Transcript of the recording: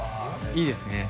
いいですね。